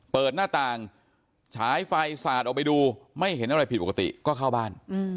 เปิดหน้าต่างฉายไฟสาดออกไปดูไม่เห็นอะไรผิดปกติก็เข้าบ้าน